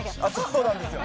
そうなんですよ。